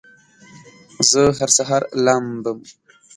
زه هر سهار لامبم